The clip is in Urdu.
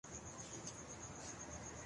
میں نے سکول اور اس کی تاریخ سے محبت کی